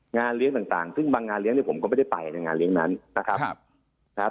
งานเลี้ยงต่างซึ่งบางงานเลี้ยเนี่ยผมก็ไม่ได้ไปในงานเลี้ยงนั้นนะครับ